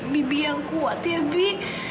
bibi yang kuat ya bi